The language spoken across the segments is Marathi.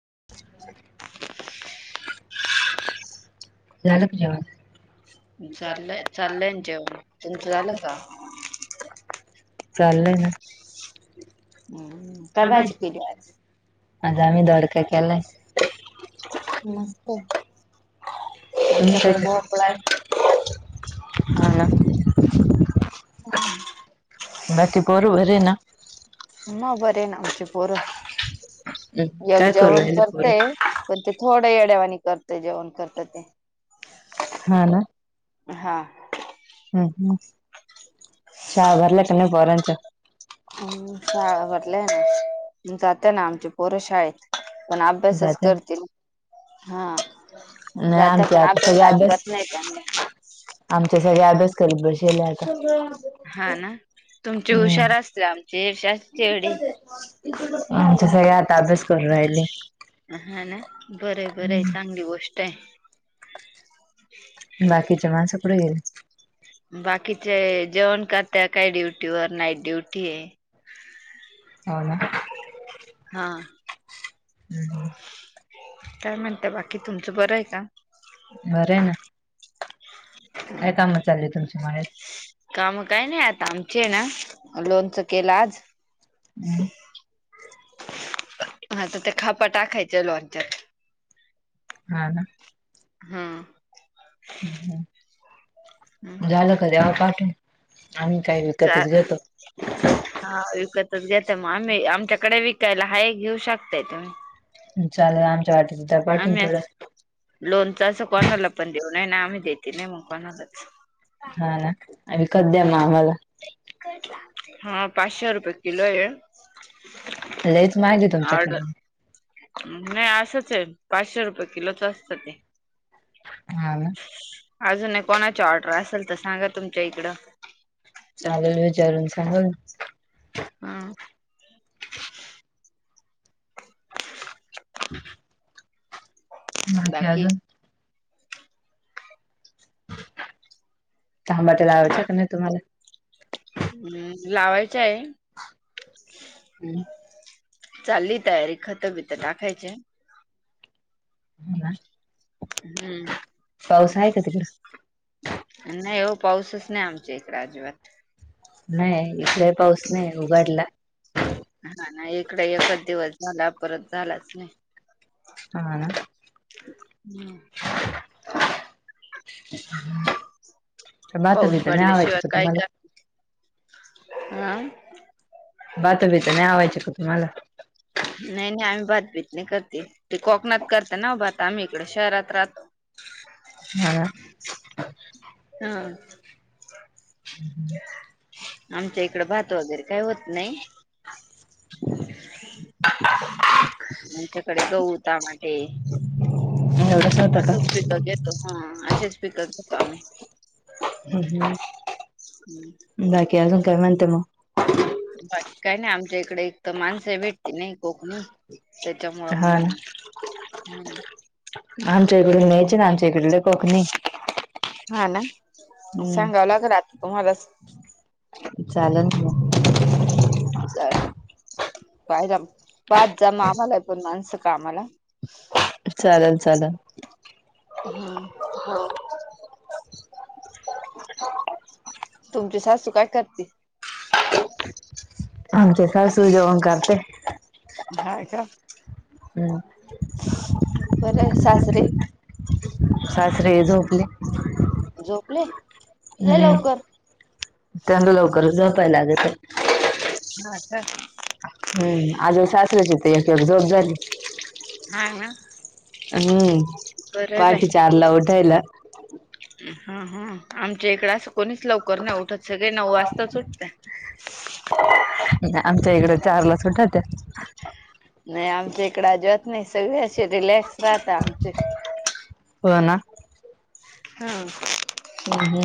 [inaudible] [inaudible] झालं का जेवण? चाललंय, चाललंय. जेव तुमचं झालं का? चाललंय ना [unintelligible] हम्म. काय भाजी केली आज? आज आम्ही दोडका केलाय. मस्त आमच्याकडे भोपळाय. ह ना. बाकी पोर बरे ना? हो. बरी आहे ना आमची पोर. हम्म जग काय करू जेवण राहिले पोरं? करते, पण ते थोडं येड्या वानी करतय जेवण करत ते हा हा. हम हम शाळा भरल्या का नाही पोरांच्या? हम् शाळा भरल्या ना. जाते ना आमच्या पोर शाळेत. पण अभ्यासच जात्या. करतील. हा. नाही जाता आमच्या पण आता सगळे अभ्यास, अजिबात नाही त्यांना आमच्या सगळे अभ्यास करीत ब [unintelligible] हा ना. तुमचे हुशार असते आमचीषार शवडी आमच्या सगळे आता अभ्यास करू राहिले. हा ना. बरंय बरंय चांगली गोष्ट आहे. बाकीच्या माणस कुठ गेली? बाकीचे जेवण कर त्या काय ड्युटी व नाईट ड्युटीए हो ना. हम् काय म्हणत बाकी, तुमचं बरं आहे का? बरं आहे ना काय काम चालली तुमच्या मळ्यात? काम काही नाही आता आमचे ना, लोनच केलं आज [inaudible] हा तर ते खापा टाकायचे लॉच्यात हा ना हम्म. हम् हम् झालं का? द्या मग पाठवून आम्ही काही [unintelligible] विकतच घेतो. घता मग आम्ही आमच्याकडे विकायला हा घेऊ शकताय तुम्ही. चाललं आम्ही अस लोनच असं कोणाला पण देऊनय ना आम्ही देत नाही मग कोणालाच हा ना विकत द्या हम्म, ना आम्हाला हा पाचशे रुपये किलो आहे लयच महाग आहे ऑर्डर तुमच्याकडून नाही असंच आहे पाचशे रुपये किलोच असत ते हा ना अजून कोणाची ऑर्डर असेल तर सांगा तुमच्या इकडं चालेल विचारून सांगल. हा. बाकी अजून? थांबाट्यायला आवशक नाही तुम्हाला. हम्, लावायचं आहे. हम्म. चालली तयारी खतं बितं टाखयचे. [unintelligible] हम्म. पाऊस आहे का तिकड न्हाई ओ पाऊसच नाही आमच्या इकडे आजिबात. नाही, इथलाही पाऊस नाही उघाडला. ह ना, इकड एकच दिवस झाला परत झालाच नाही. ह ना. हम्म. मातब पाऊस तर नाही आवायच पडल्याशिवाय का तुम्हाला ह. बातबच नाही आवायची का तुम्हाला? नाही नाही, आम्ही भातभीत नाही करते ते कोकणात करत ना भात आम्ही इकडे शहरात राहतो. हा. हा. आमच्या इकड भात वगैरे काही होत नाही. आच्याकडे गहु, टामाटे. एवढंच होतं असंच पिकं घेतो. हा, असे स्पीकर घेतो आम्ही. हम् हम, बाकी अजून काय म्हणते मग? बाकी काय नाही आमच्या इकडे एक तर माणसं भेटती नाही कोकणी. त्याच्यामुळं हा ना मग, हम्. आमच्या इकडून न्यायच ना आमच्या इकडले कोकणी. हा ना, सांगाव हम्म लाग राहत तुम्हाला. चॅलेंज नाही. [unintelligible] [unintelligible] [unintelligible] [inaudible] [inaudible] [inaudible] [inaudible] चालल. पाहिला पाच जामा आम्हाला आहे, पण माणसं का आम्हाला चालेल चालेल. हम तुमची सासु काय करते? आमची सासू जेवण करते. हा का? हम्म. बरं आहे, सासरे? सासर झोपले. झोपले लय हम्म, लवकर. त्यांना लवकरच झपायला लागत आहे. हा का? हम्म, आज्या सासऱ्याची तर एक एक झोप झाली. हाय ना? हम्म, बरं आहे बाई. पाठी चारला ऊठायला. हा हा, आमच्या इकडे असं कोणीच लवकर नाही उठत सगळे नऊ वाजताच उठतात. [inaudible] आमच्या इकड चारलाच उठत्यात. नाही आमच्या इकडे आजबात नाही, सगळशी रिलॅक्स राहता आमचे हो ना? हा हम् हम्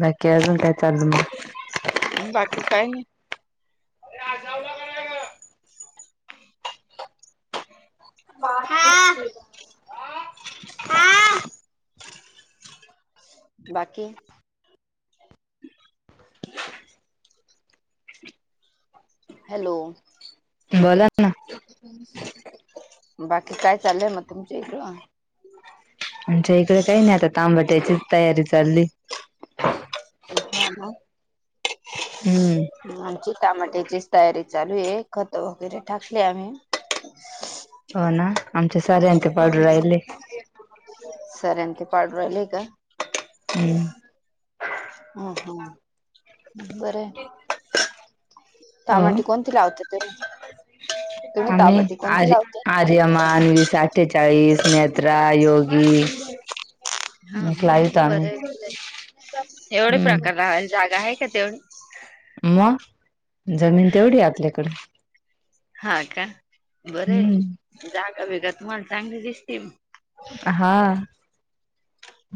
बाकी अजून काय चाललंय मग बाकी काय नाही. हा हा [inaudible] बाकी हॅलो बोला ना बाकी काय चाललंय मग तुमच्या इकडं आमच्या इकडे काही नाही आता टामाट्याचीचं तयारी चालली. हा हा हम्म आमची टामाट्याचीच तयारी चालू आहे खंत वगैरे टाकले आम्ही हो ना आमचे सार्ऱ्या अन् ते पाडू राहिले. सर्या अन् ते पाडू राहिलेय का हम्म हम् हम् बरंय हो टामाटे कोणते लावता तुम्ही तुम्ही आम्ही टमाटे कोणती आर्य लावता? आर्यमान वीस अठ्ठेचाळीस नेत्रा योग ही हा हा बरंय बरंय एवढे हम्म प्रकार लावायले जागा आहे का तेवढी मग जमीन तेवढी आहे आपल्याकडे हा का बरंय हम्म जागा बिगा तुम्हाला चांगली दिसतेय मग हां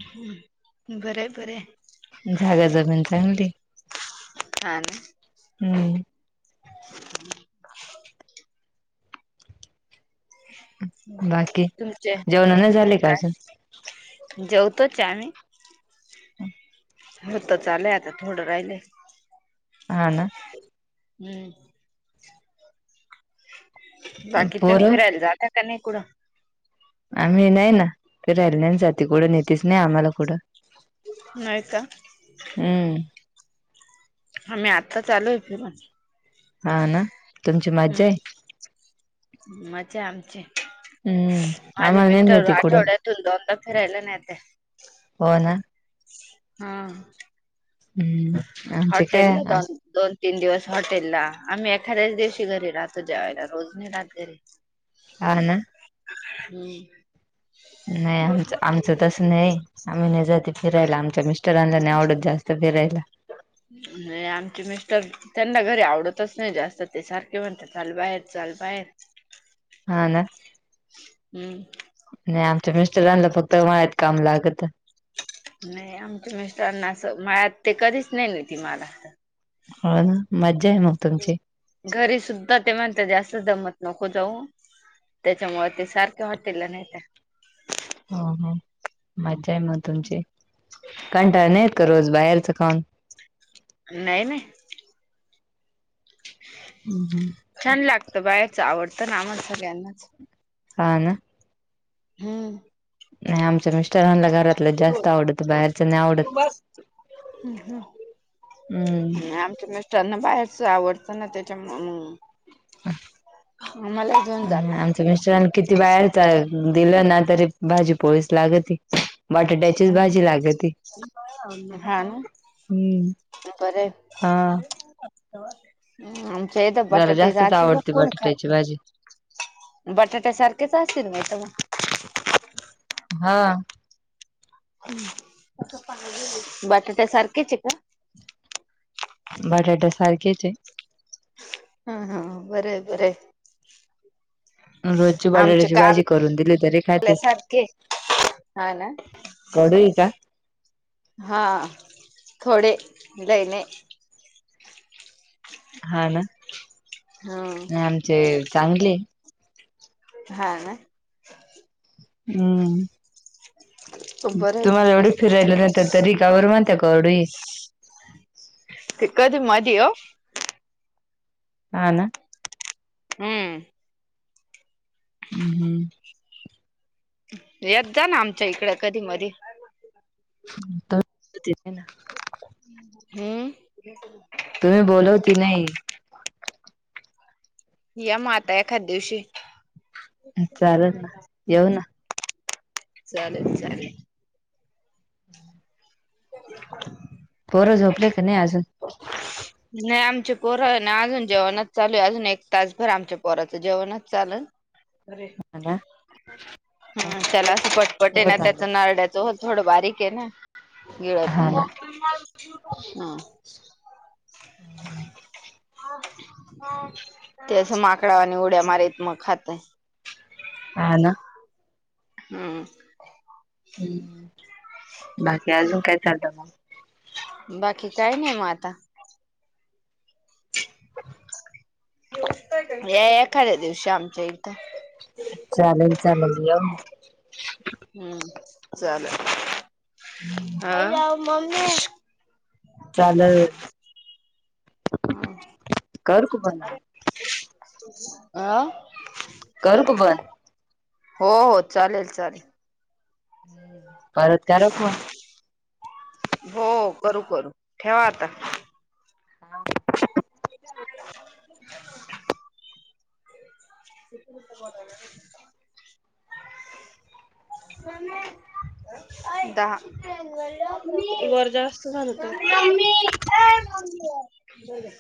हम्म जागा ज पण चांगलीये हा ना हम्म [unintelligible] बाकी तुमचे जेवण नाही झाले का अजून काय जेव तोच ये आम्ही होतंच आलय आता थोडं राहिलय. हा ना हम्म बाकी तुम्ही पोरं फिरायला जात का नाही कुठं. आम्ही नाही ना फिरायला नाही जाते कुठं नेतच नाही आम्हाला कुठं नाय का हम्म आम्ही आत्ताच आलोय फिरून हा ना तुमची मज्जा हम्म आहे. मजा आहे आमची हम्म माझे आम्हाला नाही मिस्टर नेती कुठं आठवड्यातून दोनदा फिरायला न्हेते. हो ना हा हम्म आमचे काय हॉटेलला दोन दोन तीन दिवस हॉटेलला आम्ही एखाद्याच दिवशी घरी राहतो जेवायला रोज नाही राहत घरी हा ना हम्म नाही आमचं आमचं तसं नाही आम्ही नाही जाते फिरायला आम आमच्या मिस्टरानला नाही आवडत जास्त फिरायला आमचे मिस्टर त्यांना घरी आवडतच नाही जास्त ते सारखे म्हणतात चल बाहेर चल बा हेर हा ना हम्म म मिस्टरलं फक्त वाया्यात काम लागत नाही आमच्या मिस्टरांना अस मा ते कधीच नाही नवती मला हा ना म घरी सुद्धा ते म्हणत जास्त जमत नको जाऊ त्याच्यामुळे ते सारखे वाटेल नाही त्या हो हो मज्जा आहे मग तुमची कंटाळ नाही करूस बाहेरचं खाऊन न नाही नाही छान लागत बायाच आवडतं ना आमला सगळ्यांनाच हा ना हम्म नाही आमच्या मिस्टरांना घरातलं जास्त आवडत बाहेरचं नाही आवडत हम्म आणि आमच्या मिस्टरना बाहेर आवडतं ना त्याच्या घेऊन हम् जाता आमच मिस्टरने किती बाहेरच दिलं ना तरी भाजी पोळीस लाग ती हम् ह हम्म त्यापर हा ह् तर जरा बटाटे जास्तच राश आवडते कोण खा बटाट्याची भाजी बटाट्या सारखेच असतील माहित मग हा बटाट्या सारखे चिकन बटाट्या सारखेच आहे हा हा बर बर आहे रोजची आमच्या बटाट्याची भाजी करून दिली तरी खाते कारल्यासारखे हा ना कडू आहे का हा थोडे दने हा ना हम्म आमचे चांगले हा ना हम् बरंय तुम्हाला मग एवढे फिरायला नत तरी गावरर म ते कधी मध्ये ये ह ना हम्म हम्म हम्म यत जा ना आमच्या इकड कधी मधी [unintelligible] हम्म तुम्ही बोलवती नाही या माता एखाद दिवशी चालेल ना येऊ ना चालेल चालेल. ट [inaudible] बोरं झोपले का नाही अजून नाही आमच्या पोर ना, अजून जेवणच चालू हे अजून एक तासभर आमच्या पोराचं, जेवणच चालल अरे हा ना हम त्याला असं पटपट आहे ना, सोबत त्याच आलं नारड्याचं थोडं बारीक आहे ना, गिळत नाही हा. हम्म. ते असं माकडावाणी त्या मग खातंय हां ना हम्म बाकी अजून काय चालल. बाकी काय नाही मग आता या एखाद्या दिवशी आमच्या चालेल चालेल या हम्म चालेल [unintelligible] हं [unintelligible] मम्मी चालल हं [unintelligible] अं करू का बंद? हो हो, चालेल चालेल. परत करा फोन. हो! करू करू, ठेवा आता. [unintelligible] [unintelligible] [unintelligible] मम्मी अं [unintelligible] दहा वर जास्त झाल का? मम्मी ए मम्मी